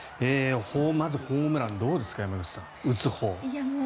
まずホームランどうですか山口さん、打つほう。